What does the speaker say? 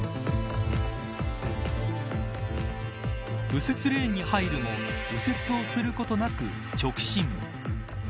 右折レーンに入るも右折をすることなく直進。